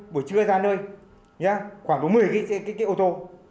bữa trưa ra nơi khoảng có một mươi cái ô tô